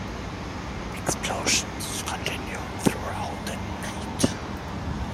Explosions continued throughout the night.